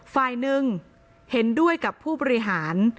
ฝ่ายหนึ่งเห็นด้วยกับผู้บริหาร